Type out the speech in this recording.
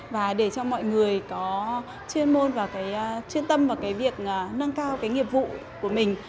và để cho mọi người có chuyên môn và cái chuyên tâm và cái việc nâng cao cái nghiệp vụ của mình